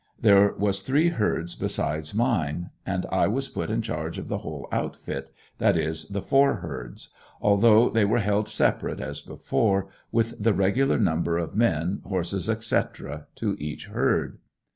There was three herds besides mine. And I was put in charge of the whole outfit, that is, the four herds; although they were held separate as before, with the regular number of men, horses, etc. to each herd.